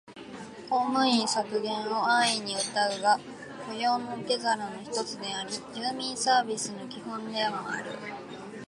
公務員削減を安易にうたうが、雇用の受け皿の一つであり、住民サービスの基本でもある